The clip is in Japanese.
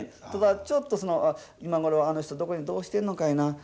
ただちょっとその「今頃あの人どこでどうしてるのかいな？